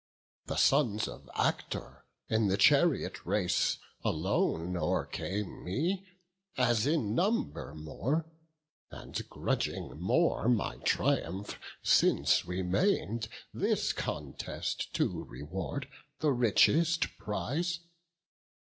The sons of Actor in the chariot race Alone o'ercame me; as in number more, And grudging more my triumph, since remain'd, This contest to reward, the richest prize.